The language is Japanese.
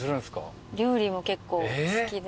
料理も結構好きで。